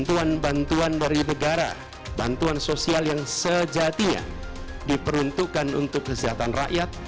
dan bantuan dari negara bantuan sosial yang sejatinya diperuntukkan untuk kesehatan rakyat